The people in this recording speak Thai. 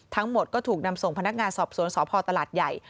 ทั้งหมดก็ถูกนำส่งพนักงานสอบสวนสพตลาดใหญ่